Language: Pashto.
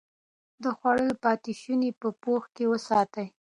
د خوړو پاتې شوني په پوښ کې وساتئ.